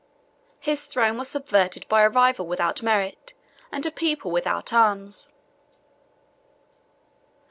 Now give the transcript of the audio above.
His throne was subverted by a rival without merit, and a people without arms.